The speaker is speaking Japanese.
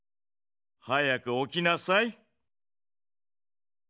早くおきなさい。